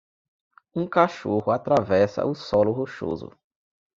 Um cachorro atravessa o solo rochoso.